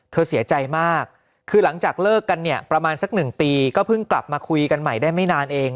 เสียใจมากคือหลังจากเลิกกันเนี่ยประมาณสักหนึ่งปีก็เพิ่งกลับมาคุยกันใหม่ได้ไม่นานเอง